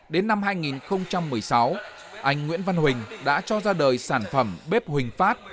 đến năm hai nghìn một mươi sáu anh nguyễn văn huỳnh đã cho ra đời sản phẩm bếp huỳnh phát